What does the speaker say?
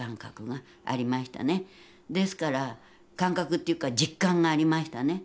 ですから感覚っていうか実感がありましたね。